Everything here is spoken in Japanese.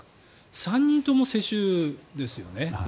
３人とも世襲ですよね。